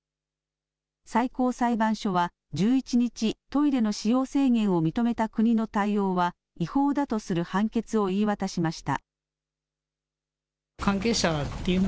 最高裁判所は１１日トイレの使用制限を認めた国の対応は違法だとする判決を言い渡しました。